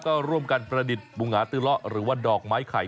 ก็ร่วมกันประดิษฐ์บุหงาตื้อเลาะหรือว่าดอกไม้ไข่